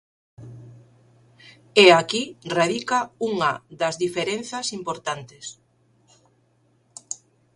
E aquí radica unha das diferenzas importantes.